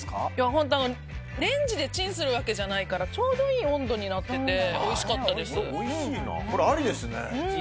本当、レンジでチンするわけじゃないからちょうどいい温度になっててこれ、ありですね。